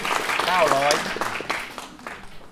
เก้าร้อย